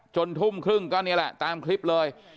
ทุ่มครึ่งก็นี่แหละตามคลิปเลย